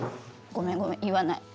ごめんごめん、言わない。